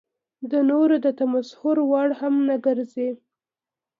د نورو د تمسخر وړ هم نه ګرځي.